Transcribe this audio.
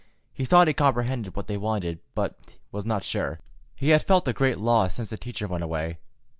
He thought he comprehended what they wanted, but was not sure. He had felt a great loss since the teacher went away.